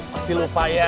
pasti lupa ya